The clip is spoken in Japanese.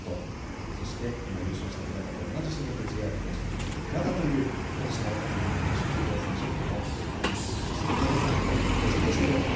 そして今、優勝した田中と同じ所属ＪＲ東日本の寺田という今年の全日本女子柔道選手権の結果になりました。